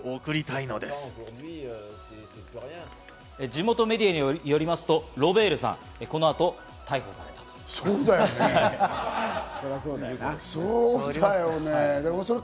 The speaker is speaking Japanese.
地元メディアによりますとロベールさん、この後、逮捕されたということです。